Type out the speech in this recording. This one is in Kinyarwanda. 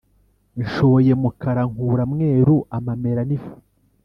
Nshoye mukara nkura mweru-Amamera n'ifu.